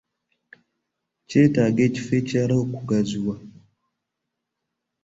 Kyetaaga ekifo ekirala okugaziwa.